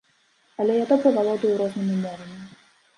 Але я добра валодаю рознымі мовамі.